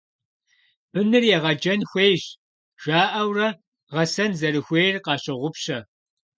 «Быныр егъэджэн хуейщ» жаӀэурэ, гъэсэн зэрыхуейр къащогъупщэ.